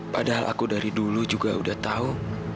padahal aku dari dulu juga udah tahu